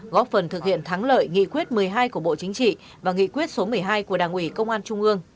góp phần thực hiện thắng lợi nghị quyết một mươi hai của bộ chính trị và nghị quyết số một mươi hai của đảng ủy công an trung ương